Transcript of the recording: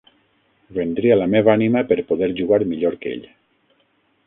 Vendria la meva ànima per poder jugar millor que ell.